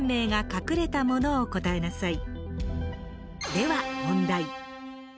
では問題。